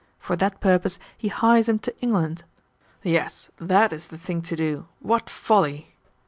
For that purpose he hies him to England. Yes, THAT is the thing to do. What folly!"